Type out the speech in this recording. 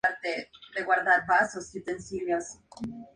Quiso ser misionero cristiano, pero finalmente se decantó por la literatura.